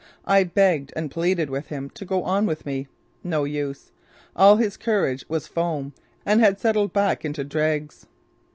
I begged and pleaded with him to go on with me. No use. All his courage was foam and had settled back into dregs.